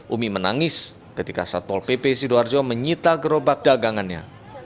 umi menangis ketika satpol pp sidoarjo menyita gerobak dagangannya